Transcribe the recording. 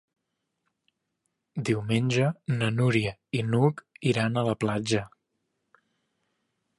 Diumenge na Núria i n'Hug iran a la platja.